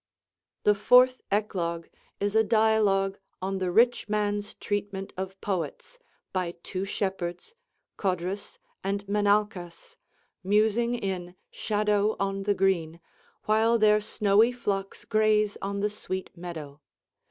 The fourth 'Eclogue' is a dialogue on the rich man's treatment of poets, by two shepherds, Codrus and Menalcas, musing in "shadowe on the green," while their snowy flocks graze on the sweet meadow.